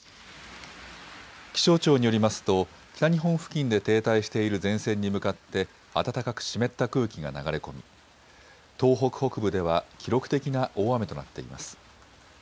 気象庁によりますと北日本付近で停滞している前線に向かって暖かく湿った空気が流れ込み、東北北部では記録的な大雨となっています。